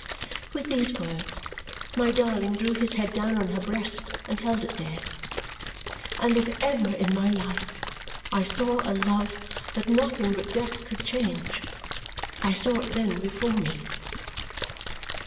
With those words my darling drew his head down on her breast and held it there. And if ever in my life I saw a love that nothing but death could change, I saw it then before me.